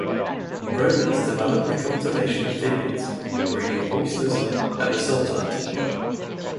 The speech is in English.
Romans developed the cultivation of vineyards, the breeding of oysters and the saltern technique.